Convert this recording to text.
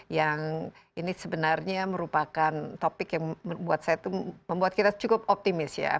yang ini sebenarnya merupakan topik yang membuat kita cukup optimis ya